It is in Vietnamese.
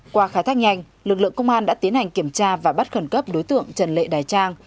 qua khai thác nhanh lực lượng công an đã tiến hành kiểm tra và bắt khẩn cấp đối tượng trần lệ đài trang